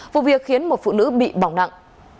vụ việc khiến một phụ nữ bị bỏng nặng